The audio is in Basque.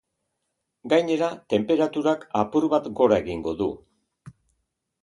Gainera, tenperaturak apur bat gora egingo du.